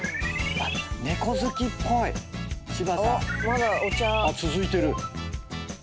あっ続いてる。